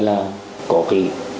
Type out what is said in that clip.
là có cái